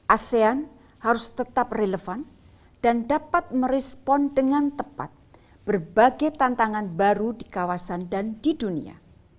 asean harus tetap relevan dan dapat merespon dengan tepat berbagai tantangan baru di kawasan dan di dunia